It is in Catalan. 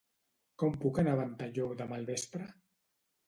Com puc anar a Ventalló demà al vespre?